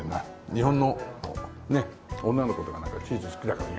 日本の女の子とかなんかチーズ好きだから意外とね。